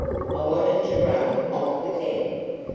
I wanted to run off with them.